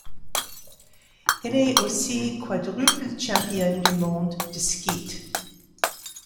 Elle est aussi quadruple championne du monde de skeet.